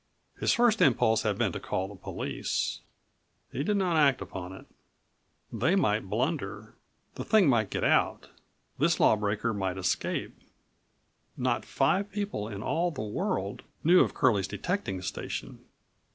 His first impulse had been to call the police. He did not act upon it. They might blunder. The thing might get out. This law breaker might escape. Not five people in all the world knew of Curlie's detecting station.